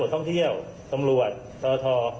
สตรวจท่องเที่ยวสำรวจทรท